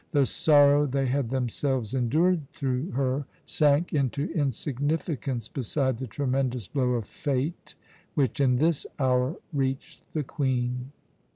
The sorrow they had themselves endured through her sank into insignificance beside the tremendous blow of Fate which in this hour reached the Queen.